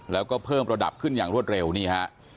แล้วก็เพิ่มระดับขึ้นอย่างรวดเร็วนี่ฮะ